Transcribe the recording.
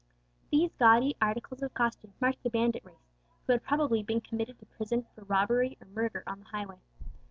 These gaudy articles of costume marked the bandit race, who had probably been committed to prison for robbery or murder on the highway.